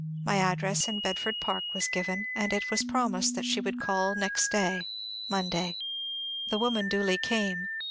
My address in Bedford Park was given, and it was promised that she woald call next day (Monday). The woman duly oame.